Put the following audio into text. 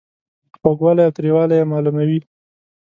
خوږوالی او تریووالی یې معلوموي.